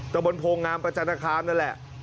ตะบนโพงามประจันทคามนั่นแหละ